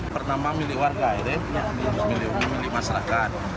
pertama milik warga ini milik masyarakat